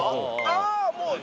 ああもう。